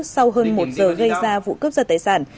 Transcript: sau hơn một giờ gây ra vụ cướp giật tài sản